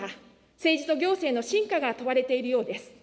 政治と行政の真価が問われているようです。